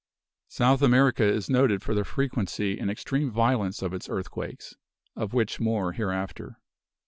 South America is noted for the frequency and extreme violence of its earthquakes; of which more hereafter.